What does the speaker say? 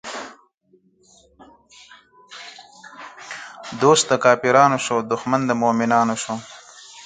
دوست د کافرانو شو، دښمن د مومنانو شو